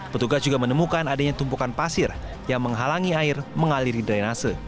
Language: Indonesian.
petugas juga menemukan adanya tumpukan pasir yang menghalangi air mengaliri drainase